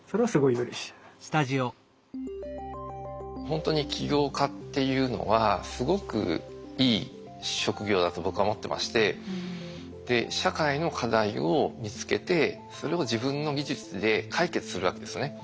ほんとに起業家っていうのはすごくいい職業だと僕は思ってまして社会の課題を見つけてそれを自分の技術で解決するわけですね。